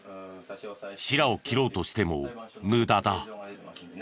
シラを切ろうとしても無駄だ。